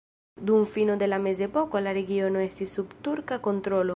Dum fino de la mezepoko la regiono estis sub turka kontrolo.